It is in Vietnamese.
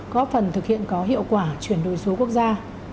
góp phần thực hiện có hiệu quả chuyển đổi số quốc gia